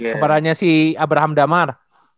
kemaranya si abraham damar